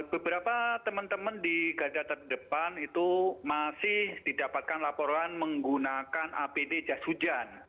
beberapa teman teman di gaza terdepan itu masih didapatkan laporan menggunakan apd jas hujan